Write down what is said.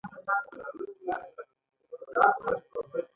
یوویشتمه پوښتنه د مامورینو د ارزیابۍ په اړه ده.